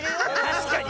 たしかに！